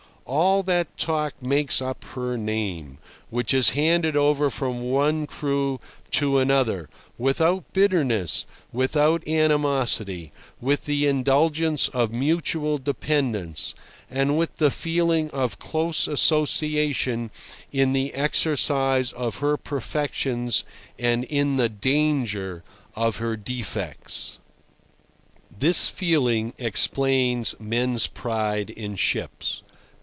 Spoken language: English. All that talk makes up her "name," which is handed over from one crew to another without bitterness, without animosity, with the indulgence of mutual dependence, and with the feeling of close association in the exercise of her perfections and in the danger of her defects. This feeling explains men's pride in ships.